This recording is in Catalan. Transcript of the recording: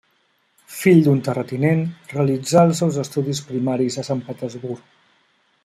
Fill d'un terratinent, realitzà els seus estudis primaris a Sant Petersburg.